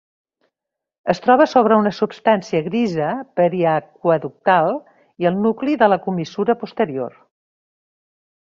Es troba sobre la substància grisa periaqüeductal i el nucli de la comissura posterior.